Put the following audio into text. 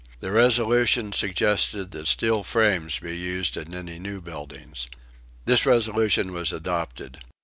The resolution suggested that steel frames be used in any new buildings. This resolution was adopted.